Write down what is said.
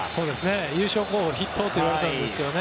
優勝候補筆頭といわれてたんですがね。